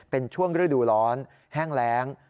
เป็นช่วงฤดูร้อนแห้งแรง